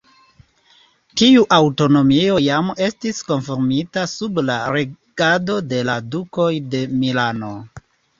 Tiu aŭtonomio jam estis konfirmita sub la regado de la Dukoj de Milano.